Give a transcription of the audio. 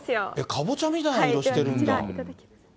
カボチャみたいな色してるんだ。